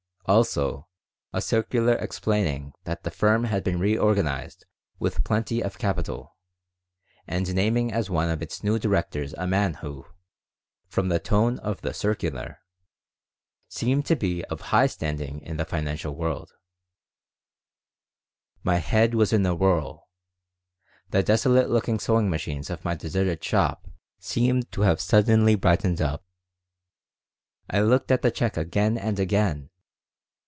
Also a circular explaining that the firm had been reorganized with plenty of capital, and naming as one of its new directors a man who, from the tone of the circular, seemed to be of high standing in the financial world My head was in a whirl. The desolate looking sewing machines of my deserted shop seemed to have suddenly brightened up. I looked at the check again and again.